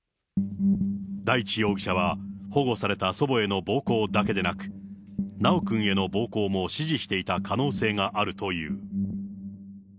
大地容疑者は保護された祖母への暴行だけでなく、修くんへの暴行も指示していた可能性があるという。